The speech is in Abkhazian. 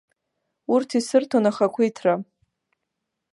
Урҭ исырҭон ахақәиҭра.